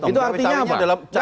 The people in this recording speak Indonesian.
itu artinya apa